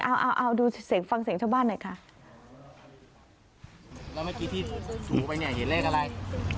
เอาเอาเอาดูเสียงฟังเสียงชาวบ้านหน่อยค่ะแล้วเมื่อกี้ที่สูไปเนี่ยเห็นเลขอะไร